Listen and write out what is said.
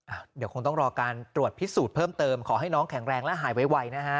เดี๋ยวคงต้องรอการตรวจพิสูจน์เพิ่มเติมขอให้น้องแข็งแรงและหายไวนะฮะ